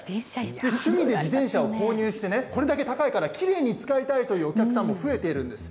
趣味で自転車を購入してね、これだけ高いからきれいに使いたいというお客さんも増えているんです。